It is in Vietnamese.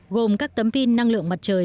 gồm các tấm pin năng lượng mặt trời